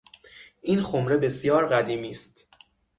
این خمره بسیار قدیمی است